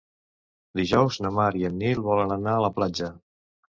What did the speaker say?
Dijous na Mar i en Nil volen anar a la platja.